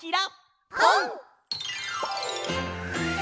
「ぽん」！